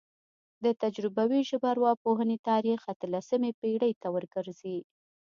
د تجربوي ژبارواپوهنې تاریخ اتلسمې پیړۍ ته ورګرځي